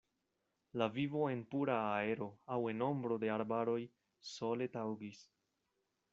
La vivo en pura aero aŭ en ombro de arbaroj sole taŭgis.